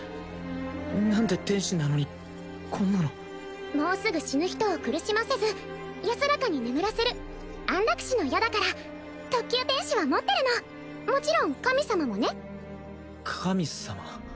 何で天使なのにこんなのもうすぐ死ぬ人を苦しませず安らかに眠らせる安楽死の矢だから特級天使は持ってるのもちろん神様もね神様？